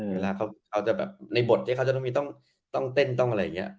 เวลาเขาเอาแต่แบบในบทที่เขาจะต้องเต้นต้องอะไรอย่างนี้